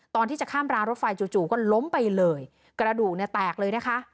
ตอนที่จะข้ามรางรถไฟจู่จู่ก็ล้มไปเลยกระดูกเนี่ยแตกเลยนะคะ